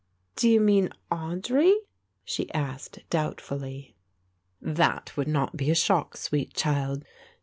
"Do you mean Audry?" she asked doubtfully. "That would not be a shock, sweet child.